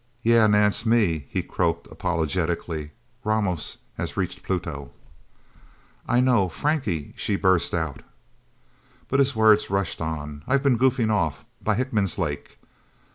"Yeah, Nance me," he croaked apologetically. "Ramos has reached Pluto!" "I know, Frankie!" she burst out. But his words rushed on. "I've been goofing off by Hickman's Lake.